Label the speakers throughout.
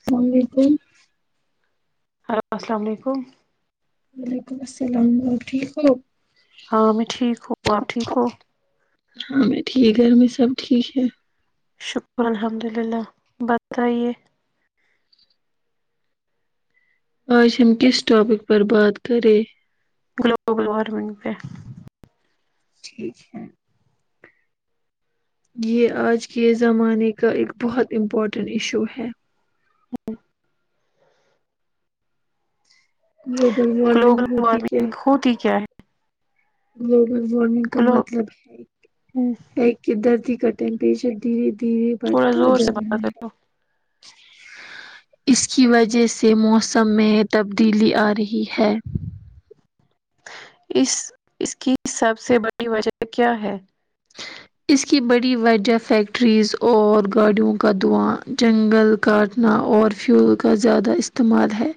Speaker 1: السلام علیکم
Speaker 2: ہیلو السلام علیکم
Speaker 1: وعلیکم السلام اور ٹھیک ہو
Speaker 2: ہاں میں ٹھیک ہوں اپ ٹھیک ہو
Speaker 1: ہاں میں ٹھیک گھر میں سب ٹھیک ہے
Speaker 2: شکر الحمد للہ بتائیے
Speaker 1: اج ہم کس ٹاپک پر بات کریں
Speaker 2: گلوبل وارمنگ پہ
Speaker 1: ٹھیک ہے یہ اج کے زمانے کا ایک بہت امپورٹنٹ ایشو ہے گلوبل
Speaker 2: گلوبل
Speaker 1: وارمنگ ہوتی کیا
Speaker 2: وارمنگ ہوتی کیا ہے
Speaker 1: گلوبل وارمنگ کا
Speaker 2: گلو
Speaker 1: مطلب ہے ہے کہ دردی کا ٹمپریچر دھیرے دھیرے
Speaker 2: تھوڑا
Speaker 1: بڑھتا
Speaker 2: زور
Speaker 1: جا
Speaker 2: سے
Speaker 1: رہا
Speaker 2: بات
Speaker 1: ہے اس کی وجہ سے موسم میں تبدیلی آرہی ہے
Speaker 2: اس اس کی سب سے بڑی وجہ کیا ہے
Speaker 1: اس کی بڑی وجہ فیکٹریز اور گاڑیوں کا دھواں جنگل کاٹنا اور فیول کا زیادہ استعمال ہے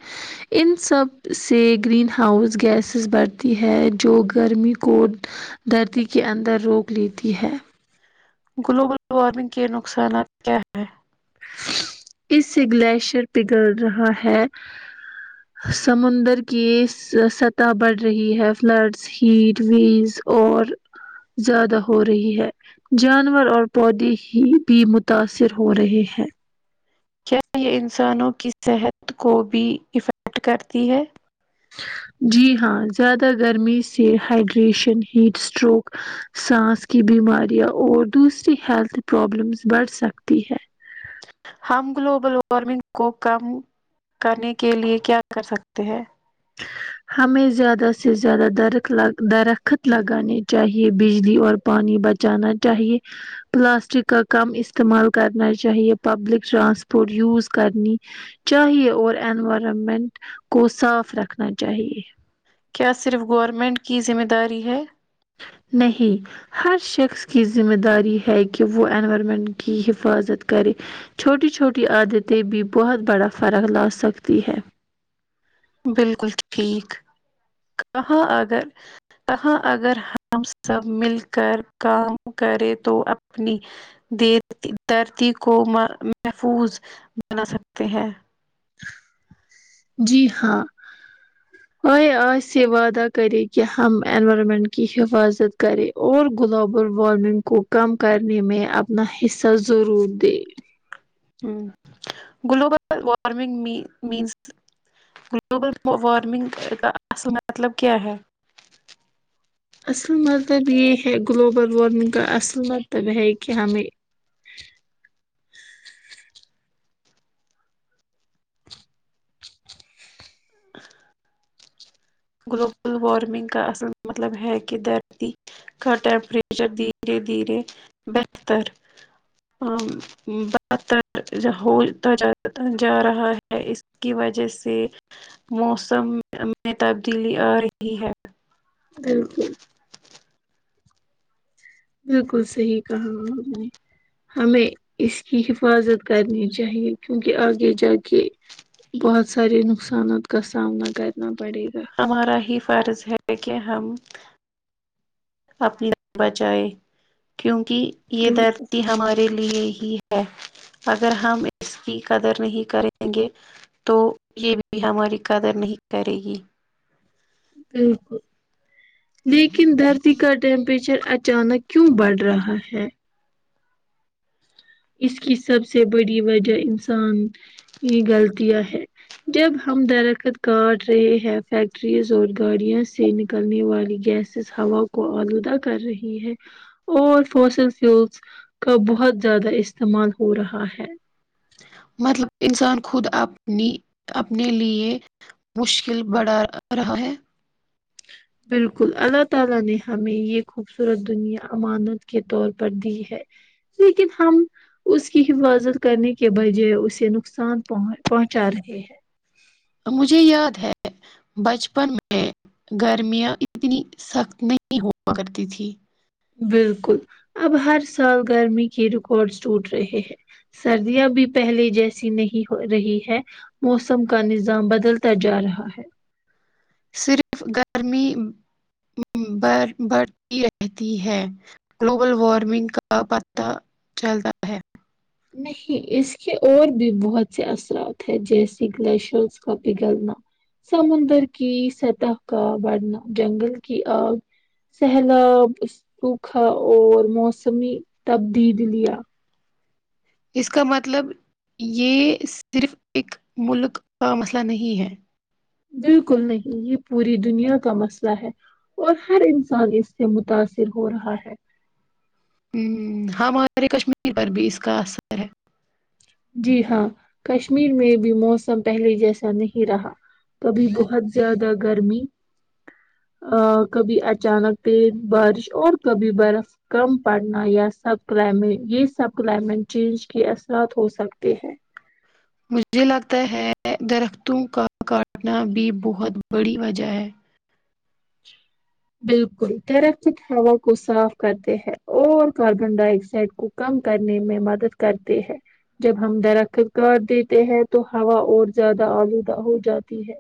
Speaker 1: ان سب سے گرین ہاؤس گیسز بڑھتی ہے جو گرمی کو درتی کے اندر روک لیتی ہے
Speaker 2: گلوبل وارمنگ کے نقصانات کیا ہیں
Speaker 1: اس سے گلیشیئر پگل رہا ہے سمندر کی سطح بڑھ رہی ہے فلڈ ہیٹ ویز اور زیادہ ہو رہی ہے جانور اور پودے ہی بھی متاثر ہو رہے ہیں
Speaker 2: کیا یہ انسانوں کی صحت کو بھی افیکٹ کرتی ہے
Speaker 1: جی ہاں زیادہ گرمی سے ہائڈریشن ہیٹ اسٹروک سانس کی بیماریاں اور دوسری ہیلتھ پرابلمس بڑھ سکتی ہے
Speaker 2: ہم گلوبل وارمنگ کو کم کرنے کے لیے کیا کر سکتے ہیں
Speaker 1: ہمیں زیادہ سے زیادہ درت درخت لگانانی چاہیے بجلی اور پانی بچانا چاہیے پلاسٹک کا کم استعمال کرنا چاہیے پبلک ٹرانسپورٹ یوز کرنی چاہیے اور انوائرمنٹ کو صاف رکھنا چاہیے
Speaker 2: کیا صرف گورنمنٹ کی ذمہ داری ہے
Speaker 1: نہیں ہر شخص کی ذمہ داری ہے کہ وہ انوائرمنٹ کی حفاظت کرے چھوٹی چھوٹی عادتیں بھی بہت بڑا فرق لا سکتی ہے
Speaker 2: بالکل ٹھیک کہاں اگر کہاں اگر ہم سب مل کر کام کرے تو اپنی دیر دھرتی کو محفوظ بنا سکتے ہیں
Speaker 1: جی ہاں آئی آس یہ وعدہ کرے کہ ہم اینورارمینٹ کی حفاظت کرے اور گلوبل وارمنگ کو کم کرنے میں اپنا حصہ ضرور دے
Speaker 2: ہمم گلوبل وارمنگ می مینس گلوبل وارمنگ کا اصل مطلب کیا ہے
Speaker 1: اصل مطلب یہ ہے گلوبل وارمنگ کا اصل مطلب ہے کہ ہمیں
Speaker 2: گلوبل وارمنگ کا اصل مطلب ہے کہ دردتی کا ٹمپریچر دھیرے دھیرے بہتر برتر ہوتا جا رہا ہے اس کی وجہ سے موسم میں تبدیلی آ رہی ہے
Speaker 1: بالکل بالکل صحیح کہا آپ نے ہمیں اس کی حفاظت کرنی چاہیے کیونکہ آگے جا کے بہت سارے نقصانات کا سامنا کرنا پڑے گا
Speaker 2: ہمارا ہی فرض ہے کہ ہم اپنی بچائے کیونکہ یہ
Speaker 1: بالکل
Speaker 2: دھرتی ہماری لیے ہی ہے اگر ہم اس کی قدر نہیں کریں گے تو یہ بھی ہماری قدر نہیں کرے گی
Speaker 1: بالکل لیکن دھرتی کا ٹیمپریچر اچھا اچانک کیوں بڑھ رہا ہے اس کی سب سے بڑی وجہ انسان غلطیاں ہے جب ہم درخت کاٹ رہے ہیں فیکٹریز اور گاڑیوں سے نکلنے والی گیس ہوا کو آلودہ کر رہی ہے اور فوسل فیولس کا بہت زیادہ استعمال ہو رہا ہے
Speaker 2: مطلب انسان خود اپنی اپنے لیے مشکل بڑھا رہا ہے
Speaker 1: بالکل اللہ تعالی نے ہمیں یہ خوبصورت دنیا امانت کے طور پر دی ہے لیکن ہم اس کی حفاظت کرنے کے بجے اسے نقصان پہ پہنچا رہے ہیں
Speaker 2: مجھے یاد ہے بچپن میں گرمیاں اتنی سخت نہیں ہوا کرتی تھی
Speaker 1: بالکل اب ہر سال گرمی کے ریکارڈ ٹوٹ رہے ہیں سردیاں بھی پہلے جیسی نہیں ہو رہی ہے موسم کا نظام بدلتا جا رہا ہے
Speaker 2: صرف گرمی بر بڑھتی رہتی ہے گلوبل وارمنگ کا پتہ چلتا ہے
Speaker 1: نہیں اس کے اور بھی بہت سے اثرات ہیں جیسے گلیشرس کا پگلنا سمندر کی سطح کا بڑھنا جنگل کی آگ سہلاب سوکھا اور موسمی تبدیل لیا
Speaker 2: اس کا مطلب یہ صرف ایک ملک کا مسئلہ نہیں ہے
Speaker 1: بالکل نہیں یہ پوری دنیا کا مسئلہ ہے اور ہر انسان اس سے متاثر ہو رہا ہے
Speaker 2: ہوں ہمارے کشمیر پر بھی اس کار
Speaker 1: جی ہاں کشمیر میں بھی موسم پہلے جیسا نہیں رہا کبھی بہت زیادہ گرمی ہاں کبھی اچانک تیز بارش اور کبھی برف کم پڑنا یا سب کلائمیٹ یہ سب کلائمیٹ چینج کے اثرات ہوک سکتے ہیں
Speaker 2: مجھے لگتا ہے درختوں کا کاٹنا بھی بہت بڑی وجہ ہے
Speaker 1: بالکل درخت ہوا کو صاف کرتے ہیں اور کاربن ڈائی آکسائڈ کو کم کرنے میں مدد کرتے ہیں جب ہم درخت کاٹ دیتے ہیں تو ہوا اور زیادہ آلودہ ہو جاتی ہے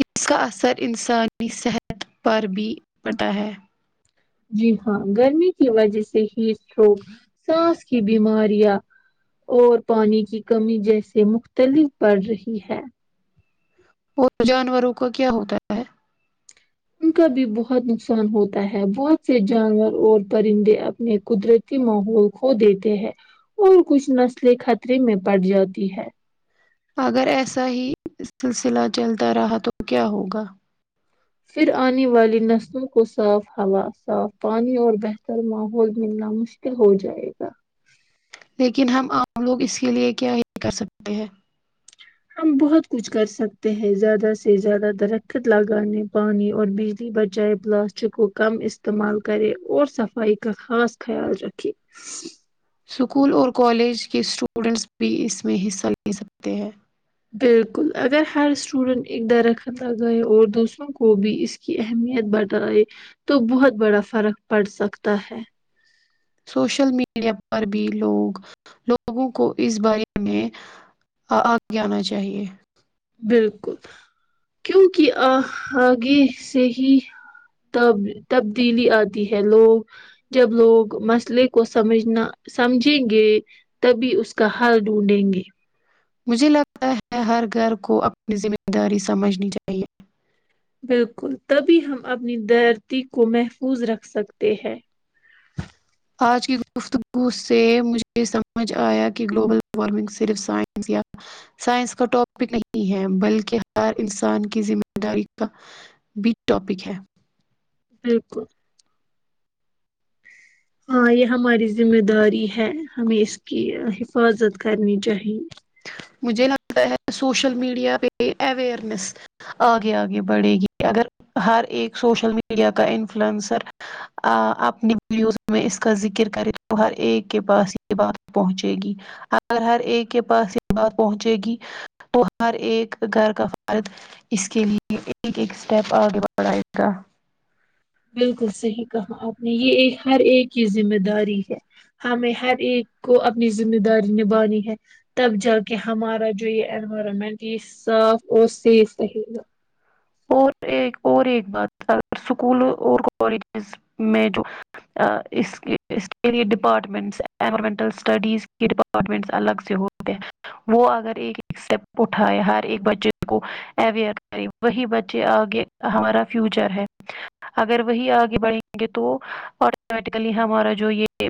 Speaker 2: اس کا اثر انسانی صحت پر بھی پڑتا ہے
Speaker 1: جی ہاں گرمی کی وجہ سے ہیٹ اسٹروک سانس کی بیماریاں اور پانی کی کمی جیسے مختلف بڑھ رہی ہے
Speaker 2: وہ جانوروں کا کیا ہوتا ہے
Speaker 1: کا بھی بہت نقصان ہوتا ہے بہت سے جانور اور پرندے اپنے قدرتی ماحول کھو دیتے ہیں اور کچھ نسلیں خطرے میں پڑ جاتی ہے
Speaker 2: اگر ایسا ہی سلسلہ چلتا رہا تو کیا ہوگا
Speaker 1: پھر آنے والی نسلوں کو صاف ہوا صاف پانی اور بہتر ماحول ملنا مشکل ہو جائے گا
Speaker 2: لیکن ہم عام لوگ اس کے لیے کیا ہی کر سکتے ہیں
Speaker 1: ہم بہت کچھ کر سکتے ہیں زیادہ سے زیادہ درخت لگانے پانی اور بج لی بجائے پلاسٹک کو کم استعمال کرے اور صفائی کا خاص خیال رکھے
Speaker 2: اسکول اور کالج کے اسٹوڈینٹس بھی اس میں حصہ لے سکتے ہیں
Speaker 1: بالکل اگر ہر اسٹوڈینٹ ایک درخت لگائے اور دوسروں کو بھی اس کی اہمیت بڑت رہائے تو بہت بڑا فرق پڑ سکتا ہے
Speaker 2: سوشل میڈیا پر بھی لوگ لوگوں کو اس بارے میں آگے آنا چاہیے
Speaker 1: بالکل کیونکہ آ آگے سے ہی تب تبدیلی آتی ہے لوگ جب لوگ مسئلے کو سمجھنا سمجھیں گے تبھی اس کا حال ڈھونڈیں گے
Speaker 2: مجھے لگتا ہے ہر گھر کو اپنی ذمہ داری سمجھنی چاہیے
Speaker 1: بالکل تبھی ہم اپنی درتی کو محفوظ رکھ سکتے ہیں
Speaker 2: آج کی گفتگو سے مجھے سمجھ آیا کہ گلوبل وارمنگ صرف سائنس یا سائنس کا ٹاپک نہیں ہے بلکہ ہر انسان کی ذمہ داری کا بیگ ٹاپک ہے
Speaker 1: بالکل ہاں یہ ہماری ذمہ داری ہے ہمیں اس کی حفاظت کرنی چاہیے
Speaker 2: مجھے لگتا ہے سوشل میڈیا پہ اوئرنیس آگے آگے بڑھے گی اگر ہر ایک سوشل میڈیا کا انفلوئنسر آ اپنی ویوز میں اس کا ذکر کرے تو ہر ایک کے پاس یہ بات پہنچے گی اگر ہر ایک کے پاس یہ بات پہنچے گی تو ہر ایک گھر کا فرد اس کے لیے ایک ایک اسٹیپ آگے بڑھائے گا
Speaker 1: بالکل صحیح کہا آپ نے یہ ایک ہر ایک کی ذمہ داری ہے ہمیں ہر ایک کو اپنی ذمہ داری نبھانی ہے تب جا کے ہمارا جو یہ انوائرمنٹ یہ صاف اور سیف رہے گا
Speaker 2: اور ایک اور ایک بات اگر اسکول اور کالجز میں جو اس اس کے لیے ڈپارٹمنٹس انائمنٹل اسٹڈیز ڈپاارٹ ڈارمنٹس الگ سے ہوتے ہیں وہ اگر ایک ایک اسٹیپ اٹھائے ہر ایک بچے کو اویئر کرے وہی بچے آگے ہمارا فیوچر ہے اگر وہی آگے بڑھیں گے تو آٹومیٹیکلی ہمارا جو یہ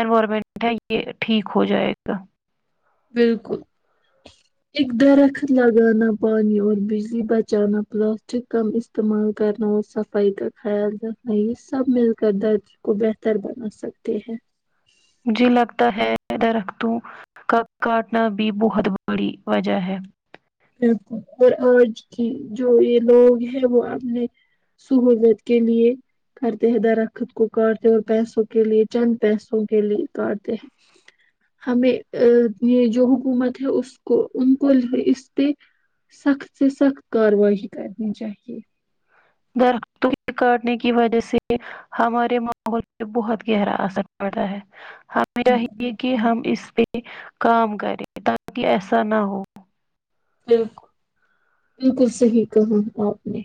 Speaker 2: انوائرمنٹ ہے یہ ٹھیک ہو جائے گا
Speaker 1: بالکل ایک درخت لگانا پانی اور بجلی بچانا پلاسٹک کم استعمال کرنا اور صفائی کا خیال رکھنا یہ سب مل کر درد کو بہتر بنا سکتے ہیں
Speaker 2: مجھے لگتا ہے درختوں کا کاٹنا بھی بہت بڑی وجہ ہے
Speaker 1: اور آج کی جو یہ لوگ ہیں وہ اپنے سہولت کے لیے کرتے ہیں درخت کو کاٹتے اور پیسوں کے لیے چند پیسوں کے لیے کاٹتے ہیں ہمیں یہ جو حکومت ہے اس کو ان کو اس سخت سے سخت کاروائی کرنی چاہیے
Speaker 2: درختوں کے کاٹنے کی وجہ سے ہمارے ماحول پے بہت گہرا اثر پڑا ہے میراہی کہ
Speaker 1: بالکل
Speaker 2: ہم اس پہ کام کریں تاکہ ایسا نہ ہو
Speaker 1: بالکل بالکل صحیح کہا آپ نے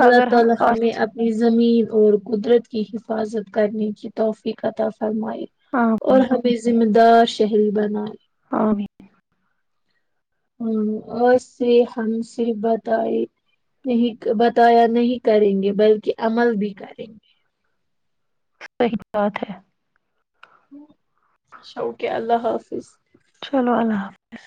Speaker 1: اللہ
Speaker 2: اگر ہم
Speaker 1: تعالی ہمیں
Speaker 2: آج
Speaker 1: اب زمین اور قدرت کی حفاظت کرنے کی توفیک عطا فرمائی
Speaker 2: ہاں
Speaker 1: اور ہمیں ذمہ دار شہری بنائے
Speaker 2: آمین
Speaker 1: ہوں اور ہم سے بتائی نہیں بتایا نہیں کریں گے بلکہ عمل بھی کریں گے
Speaker 2: صحیح بات ہے
Speaker 1: اچھا اوکے اللہ حافظ
Speaker 2: چلو اللہ حافظ